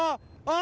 あ！